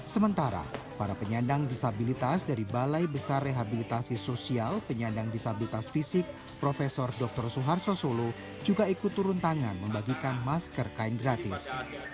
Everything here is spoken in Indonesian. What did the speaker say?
sementara para penyandang disabilitas dari balai besar rehabilitasi sosial penyandang disabilitas fisik prof dr suharto solo juga ikut turun tangan membagikan masker kain gratis